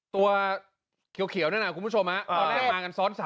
ตัวเขียวนั่นน่ะคุณผู้ชมตอนแรกมากันซ้อน๓